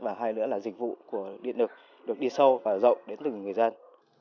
và hai nữa là dịch vụ của điện lực được đi sâu và rộng đến từng người dân